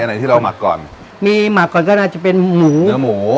ไหนที่เราหมักก่อนมีหมักก่อนก็น่าจะเป็นหมูเนื้อหมู